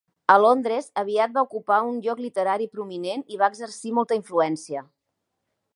A Londres, aviat va ocupar un lloc literari prominent i va exercir molta influència.